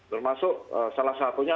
termasuk salah satunya